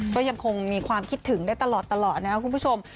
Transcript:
ก็ยังคงมีความคิดถึงได้ตลอดนะครับคุณผู้ชม